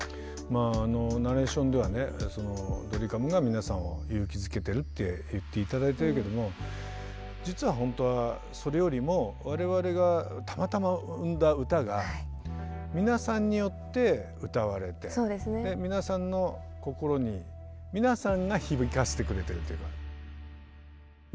ナレーションではねドリカムが皆さんを勇気づけてるって言って頂いてるけども実はほんとはそれよりも我々がたまたま生んだ歌が皆さんによって歌われて皆さんの心に皆さんが響かせてくれてるっていうか。